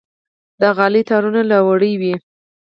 د غالۍ تارونه له وړۍ وي.